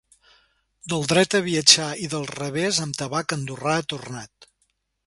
Del dret ha viatjat i del revés amb tabac andorrà ha tornat.